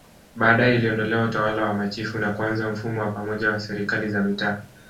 Baadae iliondolewa Utawala wa machifu na kuanza mfumo wa pamoja wa Serikali za Mitaa